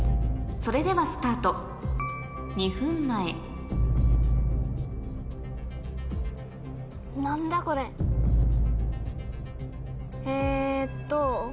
それではスタート２分前えっと。